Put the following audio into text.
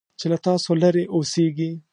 چې له تاسو لرې اوسيږي .